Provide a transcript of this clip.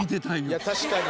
いや確かに。